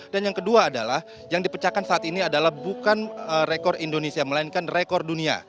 dan yang kedua adalah yang dipecahkan saat ini adalah bukan rekor indonesia melainkan rekor dunia